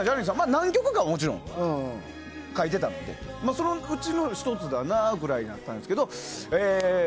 何曲かもちろん書いてたのでそのうちの１つだなぐらいだったんですけど。